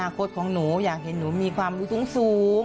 คตของหนูอยากเห็นหนูมีความรู้สูง